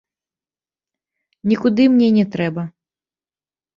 Нікуды мне не трэба.